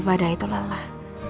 pada itu lelah